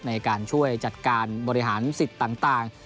ในการช่วยจัดการบริหารสิทธิ์ต่าง